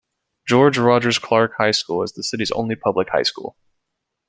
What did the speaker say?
George Rogers Clark High School is the city's only public high school.